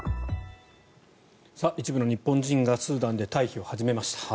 一部の日本人がスーダンで退避を始めました。